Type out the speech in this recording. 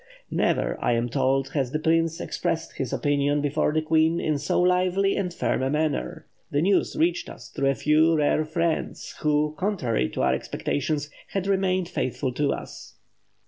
Never, I am told, has the Prince expressed his opinion before the Queen in so lively and firm a manner. The news reached us through a few rare friends, who, contrary to our expectation, had remained faithful to us.